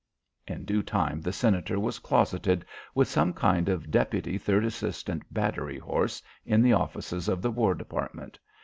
In due time the Senator was closeted with some kind of deputy third assistant battery horse in the offices of the War Department.